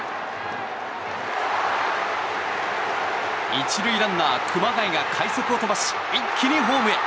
１塁ランナー、熊谷が快足を飛ばし一気にホームへ。